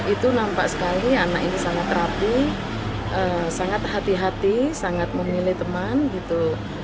itu nampak sekali anak ini sangat rapi sangat hati hati sangat memilih teman gitu